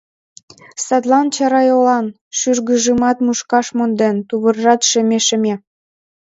Садлан чарайолан, шӱргыжымат мушкаш монден, тувыржат шеме-шеме.